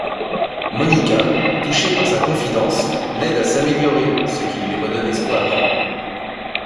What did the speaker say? Monica, touchée par sa confidence, l'aide à s'améliorer, ce qui lui redonne espoir.